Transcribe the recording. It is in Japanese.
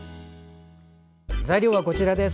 材料はこちらです。